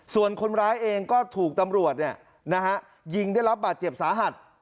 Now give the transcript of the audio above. ส่วนคนร้ายเองก็ถูกตำรวจยิงได้รับบาดเจ็บสาหัส